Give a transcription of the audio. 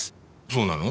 そうなの？